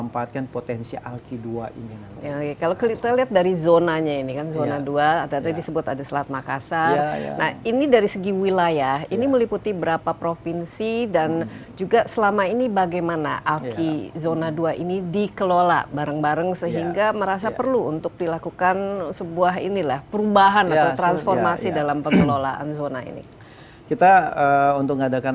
potensi untuk memanfaatkan